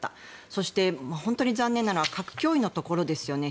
そして、本当に残念なのは核脅威のところですよね。